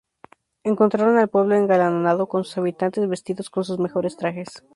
Encontraron al pueblo engalanado, con sus habitantes vestidos con sus mejores trajes.